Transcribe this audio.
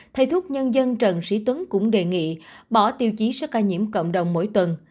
thầy thuốc nhân dân trần sĩ tuấn cũng đề nghị bỏ tiêu chí số ca nhiễm cộng đồng mỗi tuần